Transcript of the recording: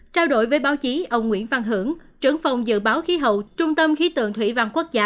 trao đổi với báo chí ông nguyễn văn hưởng trưởng phòng dự báo khí hậu trung tâm khí tượng thủy văn quốc gia